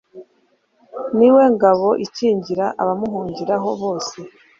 ni we ngabo ikingira abamuhungiraho bose